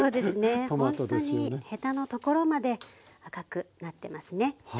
ほんとにヘタのところまで赤くなってますね。